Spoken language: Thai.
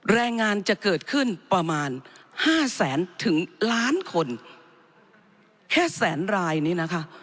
แรงงานจะเกิดขึ้นประมาณห้าแสนถึงล้านคนแค่แสนรายนี้นะคะ